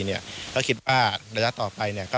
การให้เราทำความดีก็คิดว่าประมาณกดล้างต่อไป